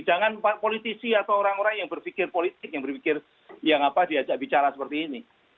jangan politisi atau orang orang yang berpikir politik yang berpikir yang diajak bicara seperti ini